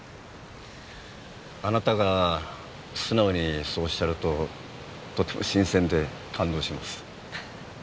あなたが素直にそうおっしゃるととても新鮮で感動します。